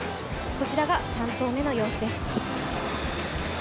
こちらが３投目の様子です。